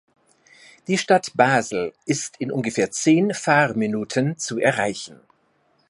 Die Stadt Basel ist in ungefähr zehn Fahrminuten zu erreichen.